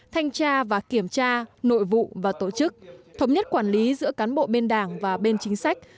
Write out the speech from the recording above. thanh tra và kiểm tra nội vụ và tổ chức thống nhất quản lý giữa cán bộ bên đảng và bên chính sách